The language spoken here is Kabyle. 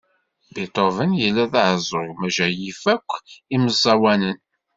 Beethoven yella d aɛeẓẓug maca yif akk imeẓẓawanen.